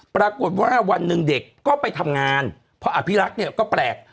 ปรากฏว่าวันหนึ่งเด็กก็ไปทำงานเพราะอภิรักษ์เนี่ยก็แปลก